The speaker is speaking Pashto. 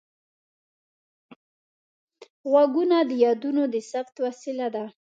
غوږونه د یادونو د ثبت وسیله ده